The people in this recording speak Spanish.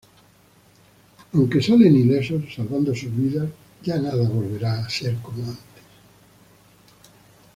Aunque salen ilesos salvando sus vidas, ya nada volverá a ser como antes.